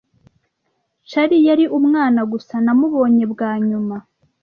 Charlie yari umwana gusa namubonye bwa nyuma.